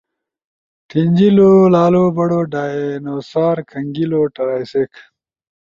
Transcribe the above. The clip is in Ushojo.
ھینجیلو لالو برو ڈائنوسار[کھنگیلو ٹرائسیک۔